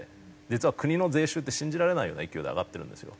実は国の税収って信じられないような勢いで上がってるんですよ。